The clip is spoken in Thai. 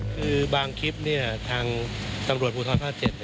คือบางคลิปทางตำรวจภูทรภาค๗